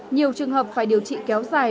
nhiều trường hợp phải điều trị kéo dài